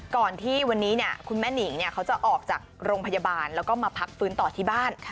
ก่อนที่วันนี้คุณแม่หนิงเขาจะออกจากโรงพยาบาลแล้วก็มาพักฟื้นต่อที่บ้าน